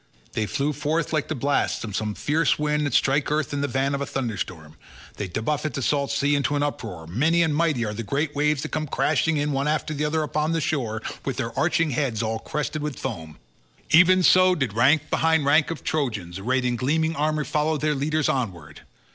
They flew forth like the blasts of some fierce wind that strike earth in the van of a thunderstorm—they buffet the salt sea into an uproar; many and mighty are the great waves that come crashing in one after the other upon the shore with their arching heads all crested with foam—even so did rank behind rank of Trojans arrayed in gleaming armour follow their leaders onward.